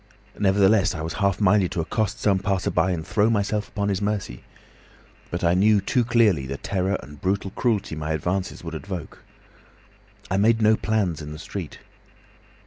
Nevertheless, I was half minded to accost some passer by and throw myself upon his mercy. But I knew too clearly the terror and brutal cruelty my advances would evoke. I made no plans in the street.